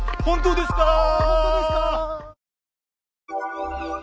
本当ですか？